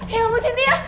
ya ampun sintia